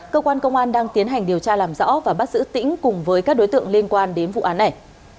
cơ quan công an đang tiến hành điều tra làm rõ và bắt giữ tĩnh cùng với các đối tượng liên quan đến vụ án này